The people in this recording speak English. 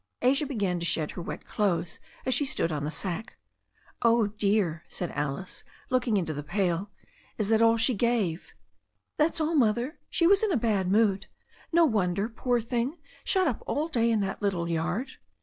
Asia began to shed her wet clothes as she stood on the sack. "Oh, dear," said Alice, looking into the pail, "is that all she gave?" "That's all. Mother. She was in a bad mood. No wonder, poor thing, shut up all day in that little yard.